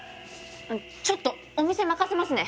ちょっとお店任せますね！